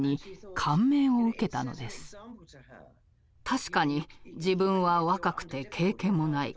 確かに自分は若くて経験もない。